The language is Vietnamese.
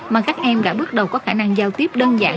mà các em đã bước đầu có khả năng giao tiếp đơn giản